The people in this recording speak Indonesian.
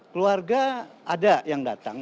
keluarga ada yang datang